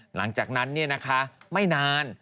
หลังจากนั้นเนี่ยนะคะไม่นาน